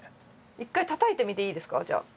一回たたいてみていいですかじゃあ。